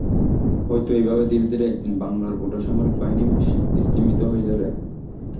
হয়তো এইভাবে ধীরে ধীরে একদিন বাংলার গোটা সামরিক বাহিনী স্তিমিত হয়ে যাবে।